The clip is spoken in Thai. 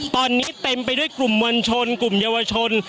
ตอนนี้เต็มไปด้วยกลุ่มมวลชนกลุ่มเยาวชน